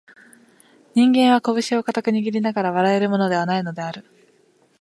人間は、こぶしを固く握りながら笑えるものでは無いのである